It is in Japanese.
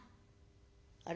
あれ？